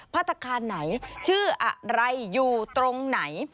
พัฒนาคารไหนชื่ออะไรอยู่ตรงไหน